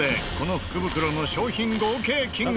この福袋の商品合計金額は。